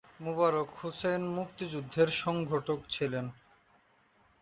মোবারক হোসেন মুক্তিযুদ্ধের সংগঠক ছিলেন।